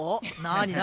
何？